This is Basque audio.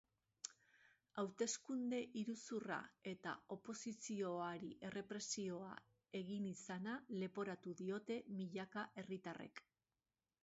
Hauteskunde-iruzurra eta oposizioari errepresioa egin izana leporatu diote milaka herritarrek.